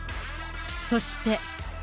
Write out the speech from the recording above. そして。